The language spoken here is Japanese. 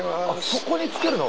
そこにつけるの？